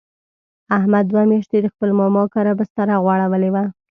احمد دوه میاشتې د خپل ماما کره بستره غوړولې وه.